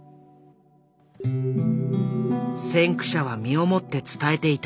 先駆者は身をもって伝えていた。